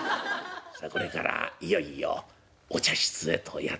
さあこれからいよいよお茶室へとやって来る。